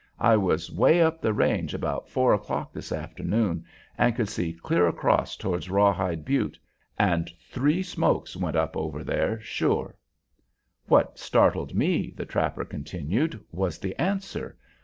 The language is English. I was way up the range about four o'clock this afternoon and could see clear across towards Rawhide Butte, and three smokes went up over there, sure. What startled me," the trapper continued, "was the answer.